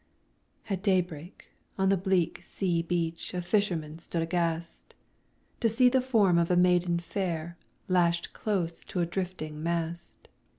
At day break, on the bleak sea beach A fisherman stood aghast, To see the form of a maiden fair Lashed close to a drifting mast.